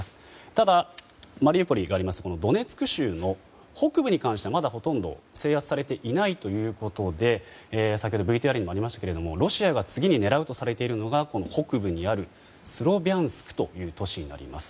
ただ、マリウポリがあるドネツク州の北部に関してはまだ、ほとんど制圧されていないということで先ほどＶＴＲにもありましたけどロシアが次に狙うとされているのがこの北部にあるスロビャンスクという都市です。